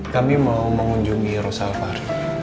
kami mau mengunjungi rosalvar